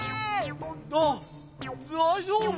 だだいじょうぶ？